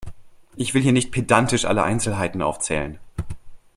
Ich will hier nicht pedantisch alle Einzelheiten aufzählen.